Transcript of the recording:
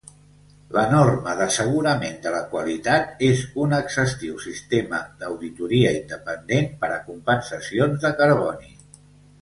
La Norma d'Assegurament de la Qualitat és un exhaustiu sistema d'auditoria independent per a compensacions de carboni.